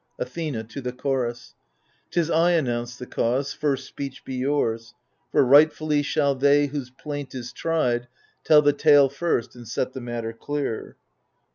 Athena {to the Chorus) 'Tis I announce the cause — first speech be yours ; For rightfully shall they whose plaint is tried Tell the tale first and set the matter clear.